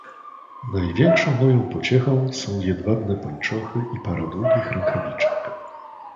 "Największą moją pociechą są jedwabne pończochy i para długich rękawiczek."